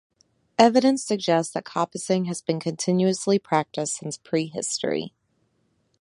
Evidence suggests that coppicing has been continuously practised since pre-history.